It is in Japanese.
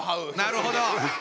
なるほど。